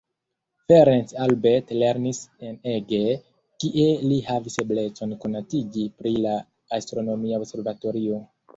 Ferenc Albert lernis en Eger, kie li havis eblecon konatiĝi pri la astronomia observatorio.